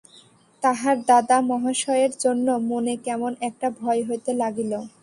তাঁহার দাদা মহাশয়ের জন্য মনে কেমন একটা ভয় হইতে লাগিল।